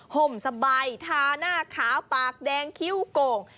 ห่มสบายทาหน้าขาวปากแดงคิ้วโก่ง